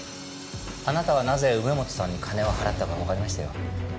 あなたがなぜ梅本さんに金を払ったかわかりましたよ。